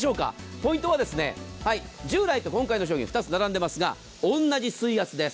ポイントは従来と今回の商品が２つ並んでいますが同じ水圧です。